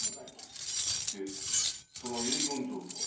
してその遺言状とは？